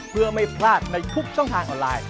เพื่อไม่พลาดในทุกช่องทางออนไลน์